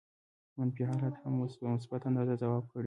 منفي حالات هم په مثبت انداز ځواب کړي.